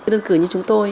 đơn cử như chúng tôi